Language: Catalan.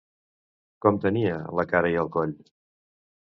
Com tenia la cara i el coll?